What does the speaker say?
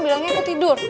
bilangnya aku tidur